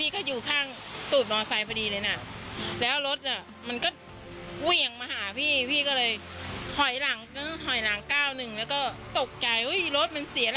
ก็ม้วนไปด้วย